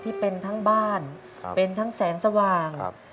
ที่เป็นทั้งบ้านเป็นทั้งแสงสว่าง